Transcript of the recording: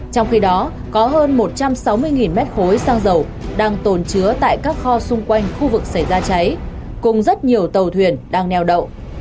trong khi đó có hơn một trăm sáu mươi mét khối xăng dầu đang tồn chứa tại các kho xung quanh khu vực xảy ra cháy cùng rất nhiều tàu thuyền đang neo đậu